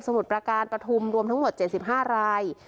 มุดประการปฐุมรวมทั้งหมด๗๕ราย